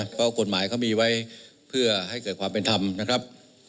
เพราะกฎหมายเขามีไว้เพื่อให้เกิดความเป็นธรรมนะครับ